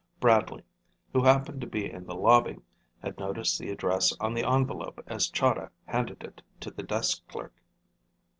Bradley, who happened to be in the lobby, had noticed the address on the envelope as Chahda handed it to the desk clerk.